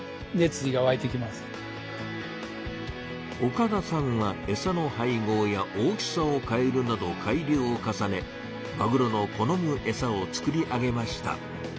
岡田さんはエサの配合や大きさを変えるなど改良を重ねマグロの好むエサを作り上げました。